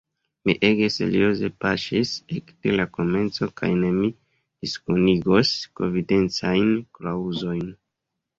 Mi ege serioze paŝis ekde la komenco kaj ne mi diskonigos konfidencajn klaŭzojn.